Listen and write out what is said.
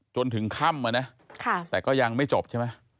จนถึงค่ำนะแต่ก็ยังไม่จบใช่ไหม